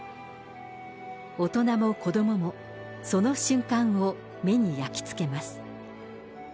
大人も子どもも、その瞬間を目に焼き付けます。